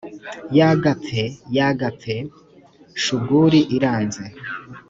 yagapfe yagapfe shuguli iranze